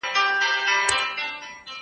عمر ډېروالی هم د صبر سبب شوی.